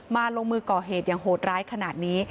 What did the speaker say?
ลงมือก่อเหตุอย่างโหดร้ายขนาดนี้